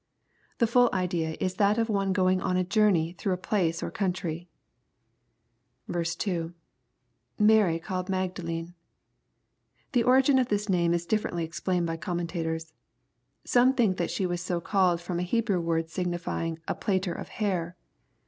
The full idea is that of one going on a journey through a place or country. 2. [Mary eaUed Magdalene.] The origin of this name is differently explained by commentators. Some think tha( she was so called from a Hebrew word signifying " a plaiter of hair."